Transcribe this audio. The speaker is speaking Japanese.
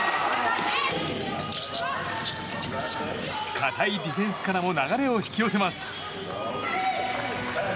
堅いディフェンスからも流れを引き寄せます。